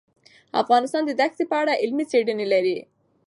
افغانستان د دښتې په اړه علمي څېړنې لري.